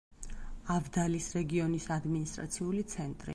ავდალის რეგიონის ადმინისტრაციული ცენტრი.